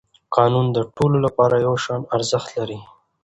قانون د ټولو لپاره یو شان ارزښت لري